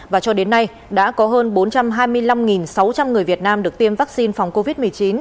và cho đến nay đã có hơn bốn trăm hai mươi năm sáu trăm linh người việt nam được tiêm vaccine phòng covid một mươi chín